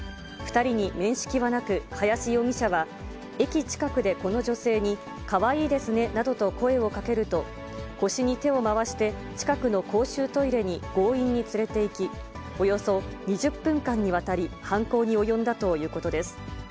２人に面識はなく、林容疑者は、駅近くでこの女性に、かわいいですねなどと声をかけると、腰に手を回して、近くの公衆トイレに強引に連れていき、およそ２０分間にわたり、犯行に及んだということです。